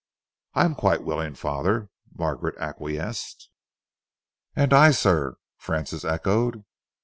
"I am quite willing, father," Margaret acquiesced. "And I, sir," Francis echoed.